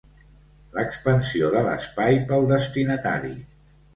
L'expansió de l'espai pel destinatari.